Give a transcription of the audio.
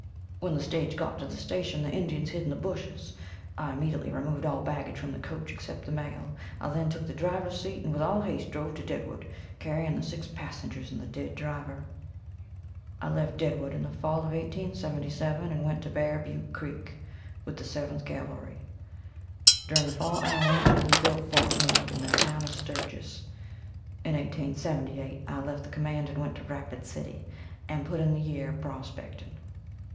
When the stage got to the station the Indians hid in the bushes. I immediately removed all baggage from the coach except the mail. I then took the driver's seat and with all haste drove to Deadwood, carrying the six passengers and the dead driver. I left Deadwood in the fall of 1877, and went to Bear Butte Creek with the 7th Cavalry. During the fall and winter we built Fort Meade and the town of Sturgis. In 1878 I left the command and went to Rapid city and put in the year prospecting.